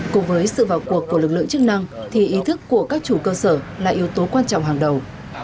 cùng với sự vào cuộc của lực lượng chức năng thì ý thức của các chủ cơ sở là yếu tố quan trọng hàng đầu